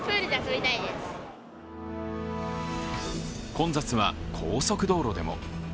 混雑は高速道路でも。